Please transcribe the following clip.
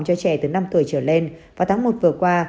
cho trẻ từ năm tuổi trở lên vào tháng một vừa qua